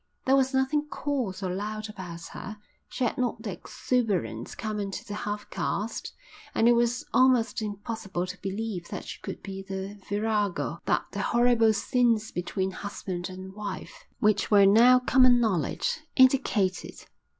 There was nothing coarse or loud about her; she had not the exuberance common to the half caste; and it was almost impossible to believe that she could be the virago that the horrible scenes between husband and wife, which were now common knowledge, indicated.